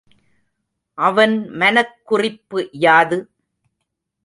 அவன் மனக்குறிப்பு யாது?